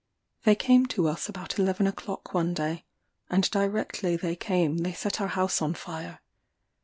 They came to us about eleven o'clock one day, and directly they came they set our house on fire.